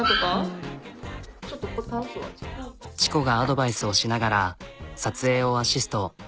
ｃｈｉｋｏがアドバイスをしながら撮影をアシスト。